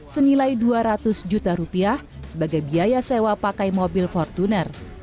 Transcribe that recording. senilai dua ratus juta rupiah sebagai biaya sewa pakai mobil fortuner